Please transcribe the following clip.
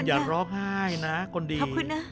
อย่าร้องไห้นะคนดี